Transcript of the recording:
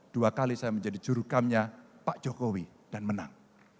dua kali saya menjadi jurukamnya pak jokowi dan menang